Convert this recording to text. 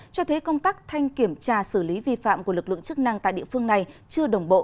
cho thấy công tác thanh kiểm tra xử lý vi phạm của lực lượng chức năng tại địa phương này chưa đồng bộ